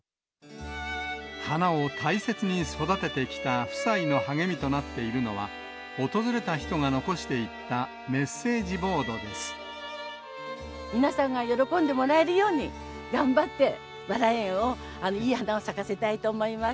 花を大切に育ててきた夫妻の励みとなっているのは、訪れた人が残していったメッセージボード皆さんが喜んでもらえるように、頑張って、バラ園を、いい花を咲かせたいと思います。